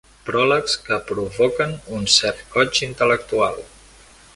Pròlegs que provoquen un cert goig intel·lectual.